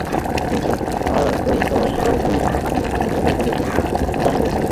কিন্তু অদ্বৈত-দর্শনের আধুনিক সম্প্রদায় বলিতে যাহা বুঝায়, তাঁহারা বৌদ্ধদের অনেকগুলি সিদ্ধান্তই গ্রহণ করিয়াছেন।